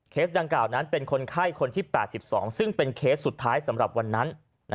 ดังกล่าวนั้นเป็นคนไข้คนที่๘๒ซึ่งเป็นเคสสุดท้ายสำหรับวันนั้น